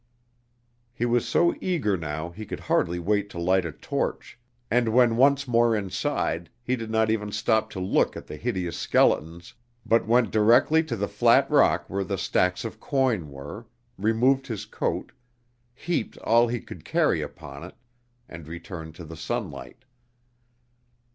He was so eager now he could hardly wait to light a torch, and when once more inside, he did not even stop to look at the hideous skeletons, but went directly to the flat rock where the stacks of coin were; removed his coat, heaped all he could carry upon it, and returned to the sunlight.